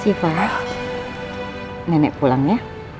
siva nenek pulang ya